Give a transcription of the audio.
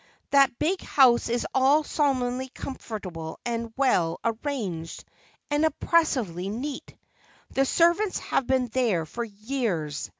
That big house is all solemnly comfortable and well arranged, and oppressively neat. The servants have been there for years.